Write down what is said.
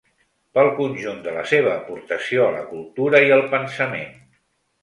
Pel conjunt de la seva aportació a la cultura i el pensament.